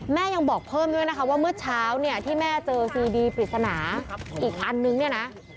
ยังบอกเพิ่มด้วยนะคะว่าเมื่อเช้าเนี่ยที่แม่เจอซีดีปริศนาอีกอันนึงเนี่ยนะ